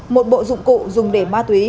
một bộ dụng cụ dùng để ma túy